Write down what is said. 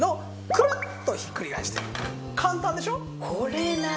クルッとひっくり返して簡単でしょう？